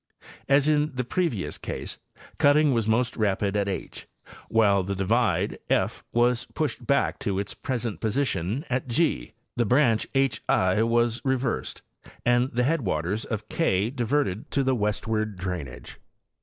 As in the previous case, cutting was most rapid at h, and while the divide f was pushed 'back to its present posi tion at g, the branch h i was reversed and the headwaters of K diverted to the westward drainage.